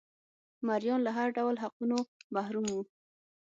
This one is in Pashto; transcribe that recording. مریان له هر ډول حقونو محروم وو